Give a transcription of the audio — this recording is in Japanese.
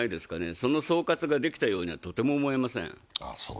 その総括ができたようには、とても思えません。